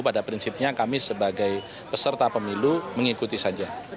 pada prinsipnya kami sebagai peserta pemilu mengikuti saja